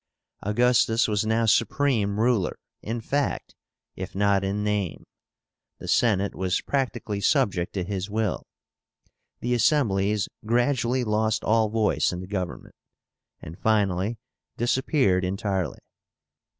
Augustus was now supreme ruler in fact, if not in name. The Senate was practically subject to his will. The Assemblies gradually lost all voice in the government, and finally disappeared entirely.